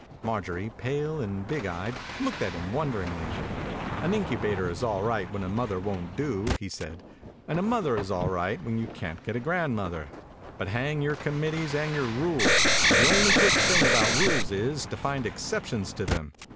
Marjorie, pale and big eyed, looked at him wonderingly. "An incubator is all right when a mother won't do," he said, " and a mother is all right when you can't get a grand mother, but hang your com mittees and your rules! The only good thing about rules is to find exceptions to them.